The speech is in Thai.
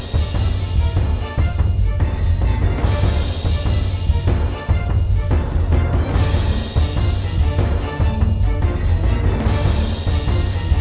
หวังว่าเมื่อก่อนก็ได้